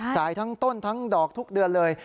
จ่ายทั้งต้นทั้งดอกทุกเดือนเลย